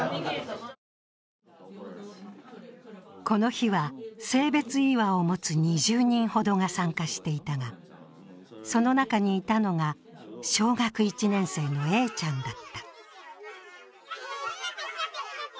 この日は性別違和を持つ２０人ほどが参加していたが、その中にいたのが小学１年生のＡちゃんだった。